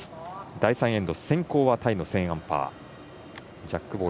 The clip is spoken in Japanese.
第３エンド、先攻はタイのセーンアンパー。